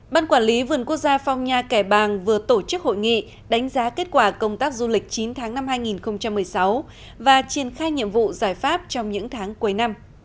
ban quản lý vườn quốc gia phong nha kẻ bàng vừa tổ chức hội nghị đánh giá kết quả công tác du lịch chín tháng năm hai nghìn một mươi sáu và triển khai nhiệm vụ giải pháp trong những tháng cuối năm